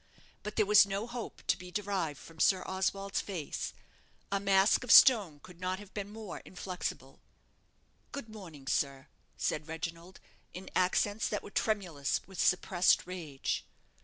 But there was no hope to be derived from Sir Oswald's face. A mask of stone could not have been more inflexible. "Good morning, sir," said Reginald, in accents that were tremulous with suppressed rage.